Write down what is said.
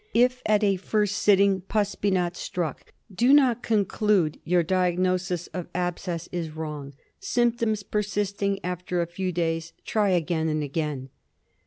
If at a first sitting pus be not struck, do not conclude your diagnosis of abscess is wrong. Symptoms persisting, after a few days try again and again.